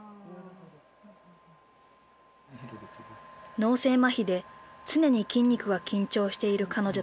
脳性まひで常に筋肉が緊張している彼女たち。